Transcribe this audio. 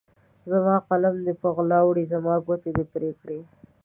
زما قلم دې په غلا وړی، زما ګوتې دي پرې کړي